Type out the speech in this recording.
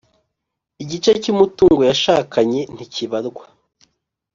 Igice cy umutungo yashakanye ntikibarwa